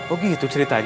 oh gitu ceritanya